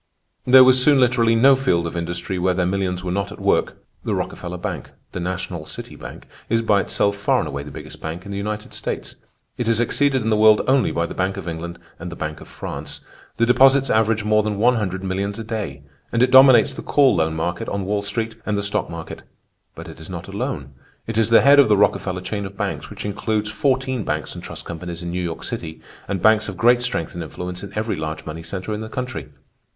There was soon literally no field of industry where their millions were not at work. ... "The Rockefeller bank—the National City Bank—is by itself far and away the biggest bank in the United States. It is exceeded in the world only by the Bank of England and the Bank of France. The deposits average more than one hundred millions a day; and it dominates the call loan market on Wall Street and the stock market. But it is not alone; it is the head of the Rockefeller chain of banks, which includes fourteen banks and trust companies in New York City, and banks of great strength and influence in every large money center in the country.